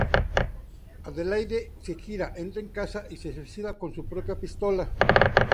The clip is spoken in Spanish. Adelaide se gira, entra en casa y se suicida con su propia pistola.